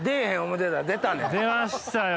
出ましたよ